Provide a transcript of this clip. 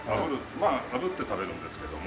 まああぶって食べるんですけども。